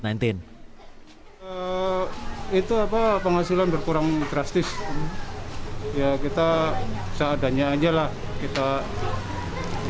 pak ini kan dapat bantuan dari pemprov jawa tengah pak